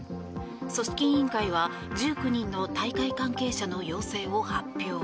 組織委員会は１９人の大会関係者の陽性を発表。